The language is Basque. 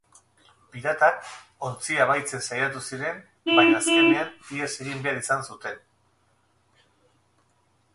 Piratak ontzia bahitzen saiatu ziren, baina azkenean ihes egin behar izan zuten.